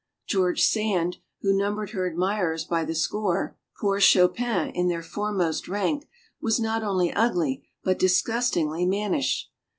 George Sand, who numbered her admirers by the score pool Chopin in their foremost rank was not only ugly, but disgustingly mannish.